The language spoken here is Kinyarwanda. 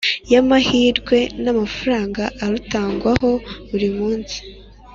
y amahirwe n amafaranga arutangwaho buri munsi